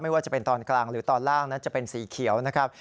ว่าจะเป็นตอนกลางหรือตอนล่างนั้นจะเป็นสีเขียวนะครับ